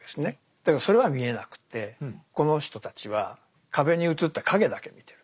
だけどそれは見えなくてこの人たちは壁に映った影だけ見てる。